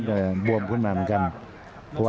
อัศวินาศาสตร์